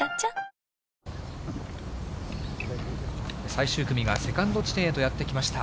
最終組がセカンド地点へとやって来ました。